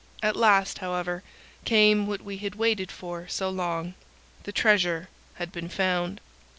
At last, however, came what we had waited for so long. The treasure had been found.